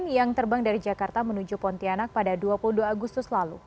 yang terbang dari jakarta menuju pontianak pada dua puluh dua agustus lalu